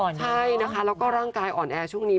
ใช่นะคะแล้วก็ร่างกายอ่อนแอช่วงนี้